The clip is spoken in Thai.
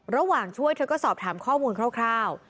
ระหว่างช่วยเธอก็สอบถามข้อมูลคร่าว